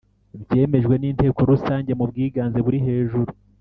byemejwe n inteko rusange mu bwiganze buri hejuru